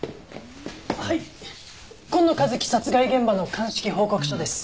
はい今野和樹殺害現場の鑑識報告書です。